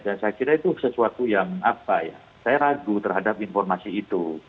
dan saya kira itu sesuatu yang saya ragu terhadap informasi itu